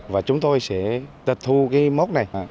và chúng tôi sẽ tịch thu cái mốc này